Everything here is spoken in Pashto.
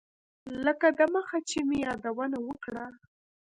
لکه دمخه چې مې یادونه وکړه.